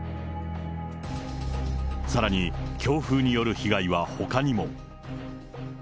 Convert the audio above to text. さらに強風による被害はほかにも。